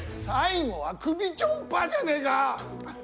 最後は首ちょんぱじゃねえか！